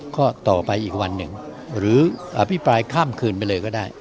ก็ต่อไปอีกวันหนึ่งหรืออภิปรายข้ามคืนไปเลยก็ได้